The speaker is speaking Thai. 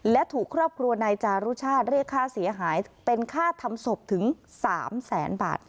และถูกครอบครัวนายจารุชาติเรียกค่าเสียหายเป็นค่าทำศพถึง๓แสนบาท